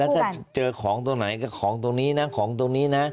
ต้องไปต้องไป